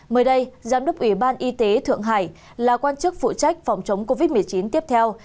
mới đây giám đốc ủy ban y tế thượng hải là quan chức phụ trách phòng chống covid một mươi chín tiếp theo